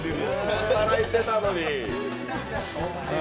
働いてるのに！